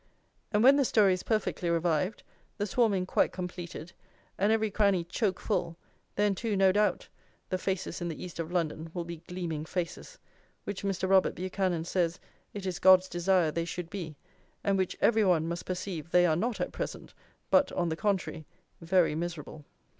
And when the story is perfectly revived, the swarming quite completed, and every cranny choke full, then, too, no doubt, the faces in the East of London will be gleaming faces, which Mr. Robert Buchanan says it is God's desire they should be, and which every one must perceive they are not at present, but, on the contrary, very miserable.